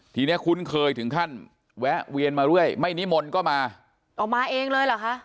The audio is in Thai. ทีนี้คุณเคยถึงท่านแวะเวียนมาด้วยไม่นิมลก็มาอ๋อมาเองเลยเหรอคะ